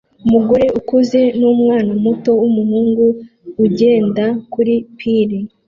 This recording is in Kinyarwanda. Umugore ukuze numwana muto wumuhungu ugenda kuri pir